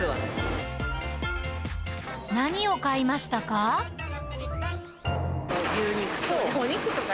何を買いましたか？